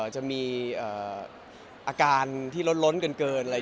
จะมีอาการที่ล้นเกินอะไร